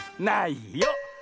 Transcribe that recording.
ないよ。